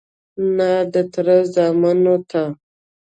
_نه، د تره زامنو ته..